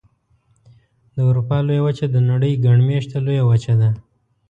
د اروپا لویه وچه د نړۍ ګڼ مېشته لویه وچه ده.